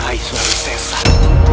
hai suami sesan